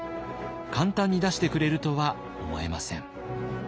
簡単に出してくれるとは思えません。